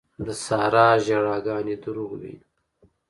د سارا ژړاګانې دروغ وې.